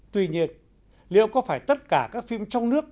tuy nhiên liệu có phải tất cả các phim trong nước